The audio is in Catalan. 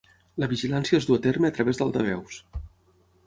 La vigilància es du a terme a través d'altaveus.